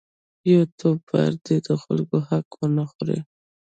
یوټوبر دې د خلکو حق ونه خوري.